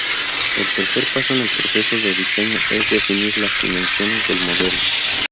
El tercer paso en el proceso de diseño es definir las dimensiones del modelo.